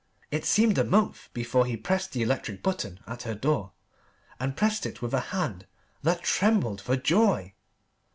It seemed a month before he pressed the electric button at her door, and pressed it with a hand that trembled for joy.